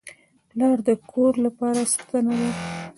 پلار د کور لپاره ستنه ده.